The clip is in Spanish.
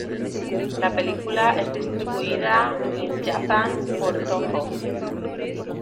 La película es distribuida en Japan por Tōhō.